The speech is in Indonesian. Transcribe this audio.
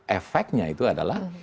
efeknya itu adalah